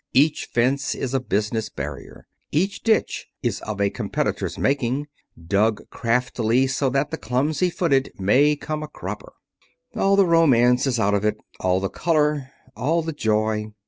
Each fence is a business barrier. Every ditch is of a competitor's making, dug craftily so that the clumsy footed may come a cropper. All the romance is out of it, all the color, all the joy.